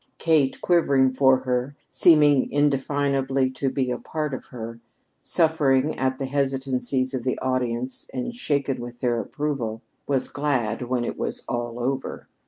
Kate, quivering for her, seeming indefinably to be a part of her, suffering at the hesitancies of the audience and shaken with their approval, was glad when it was all over.